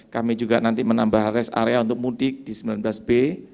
kami juga nanti menambah rest area untuk mudik di sembilan belas b